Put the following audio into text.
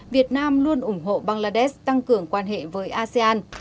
việt nam luôn ủng hộ bangladesh tăng cường quan hệ với asean